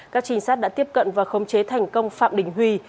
các trinh sát đã tiếp cận và khống chế thành công phạm đình huy